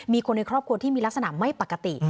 มีคนในครอบครัวที่มีลักษณะไม่ปกติ